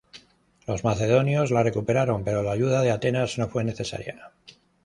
Los macedonios la recuperaron, pero la ayuda de Atenas no fue necesaria.